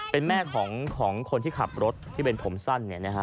เป็นแม่ของคนที่ขับรถที่เป็นผมสั้นเนี่ยนะฮะ